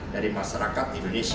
dari masyarakat indonesia